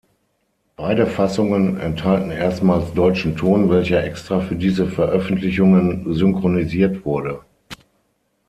Beide Fassungen enthalten erstmals deutschen Ton, welcher extra für diese Veröffentlichungen synchronisiert wurde.